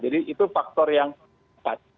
jadi itu faktor yang keempat